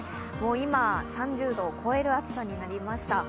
今、３０度を超える暑さになりました。